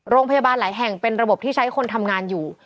โรงพยาบาลหลายแห่งเป็นระบบที่ใช้คนทำงานอยู่